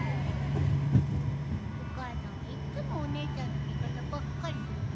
お母さんはいっつもお姉ちゃんの味方ばっかりするんだ。